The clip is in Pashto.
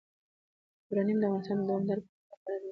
یورانیم د افغانستان د دوامداره پرمختګ لپاره اړین دي.